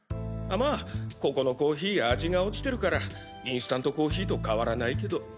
まあここのコーヒー味が落ちてるからインスタントコーヒーと変わらないけど。